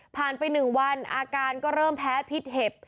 ผ่านไปหนึ่งวันอาการก็เริ่มแพ้พิษเห็บ